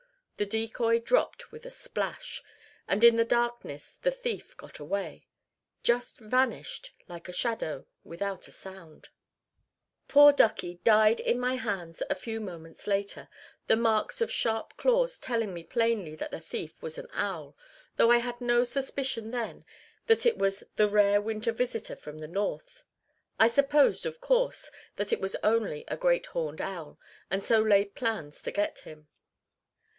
The decoy dropped with a splash, and in the darkness the thief got away just vanished, like a shadow, without a sound. Poor ducky died in my hands a few moments later, the marks of sharp claws telling me plainly that the thief was an owl, though I had no suspicion then that it was the rare winter visitor from the north. I supposed, of course, that it was only a great horned owl, and so laid plans to get him.